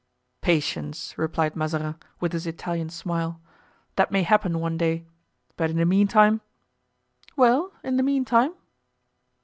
"Patience!" replied Mazarin, with his Italian smile; "that may happen one day; but in the meantime——" "Well, in the meantime?"